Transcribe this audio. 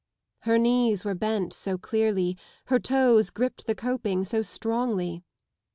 Her knees were bent so clearly, her toes gripped the coping so strongly.